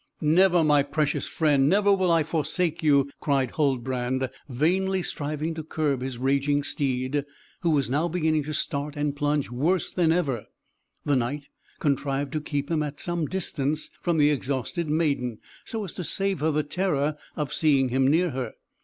"Never, my precious friend, never will I forsake you," cried Huldbrand, vainly striving to curb his raging steed, who was now beginning to start and plunge worse than ever: the Knight contrived to keep him at some distance from the exhausted maiden, so as to save her the terror of seeing him near her.